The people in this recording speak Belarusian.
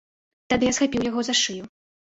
Тады я схапіў яго за шыю.